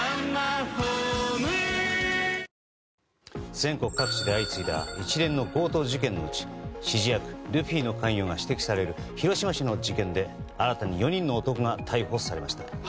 全国各地で相次いだ一連の強盗事件のうち指示役ルフィの関与が指摘される広島市の事件で新たに４人の男が逮捕されました。